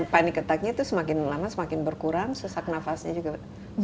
panic attack nya itu semakin lama semakin berkurang susah nafasnya juga